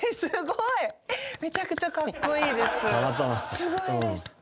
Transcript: すごいです。